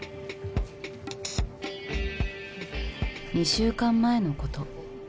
２週間前のこと。